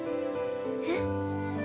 えっ？